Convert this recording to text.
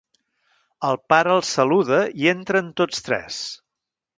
El pare el saluda i entren tots tres.